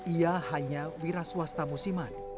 ia hanya wira swasta musiman